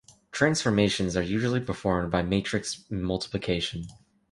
Transformations are usually performed by matrix multiplication.